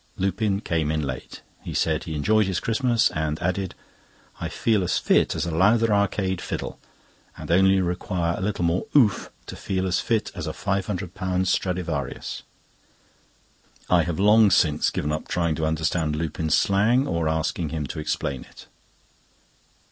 Lupin came in late. He said he enjoyed his Christmas, and added: "I feel as fit as a Lowther Arcade fiddle, and only require a little more 'oof' to feel as fit as a £500 Stradivarius." I have long since given up trying to understand Lupin's slang, or asking him to explain it.